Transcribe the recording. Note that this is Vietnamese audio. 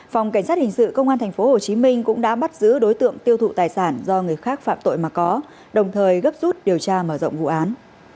phòng cảnh sát hình sự công an tp hcm cũng đã bắt giữ đối tượng tiêu thụ tài sản do người khác phạm tội mà có đồng thời gấp rút điều tra mở rộng vụ án